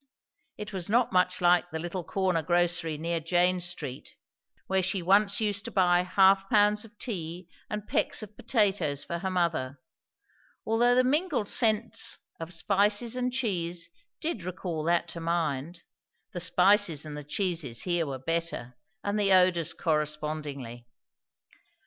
It was not much like the little corner grocery near Jane Street, where she once used to buy half pounds of tea and pecks of potatoes for her mother; although the mingled scents of spices and cheese did recall that to mind; the spices and the cheese here were better, and the odours correspondingly.